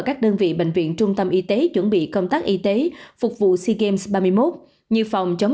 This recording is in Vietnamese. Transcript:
các đơn vị bệnh viện trung tâm y tế chuẩn bị công tác y tế phục vụ sea games ba mươi một như phòng chống